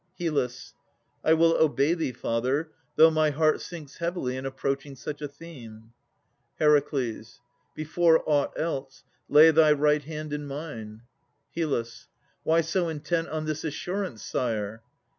HYL. I will obey thee, father, though my heart Sinks heavily in approaching such a theme. HER. Before aught else, lay thy right hand in mine. HYL. Why so intent on this assurance, sire?